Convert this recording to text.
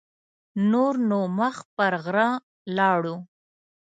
نور نو مخ پر غره لاړو.